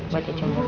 buat dia cemburu